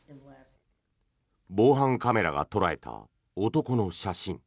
防犯カメラが捉えた男の写真。